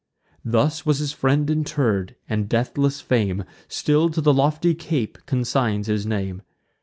Thus was his friend interr'd; and deathless fame Still to the lofty cape consigns his name.